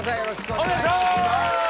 お願いします